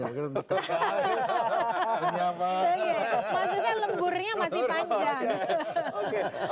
maksudnya lemburnya masih panjang